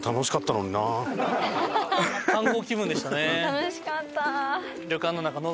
楽しかった。